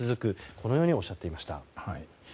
このようにおっしゃっていました。